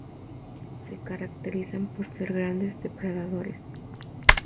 Se caracterizan por ser grandes depredadores.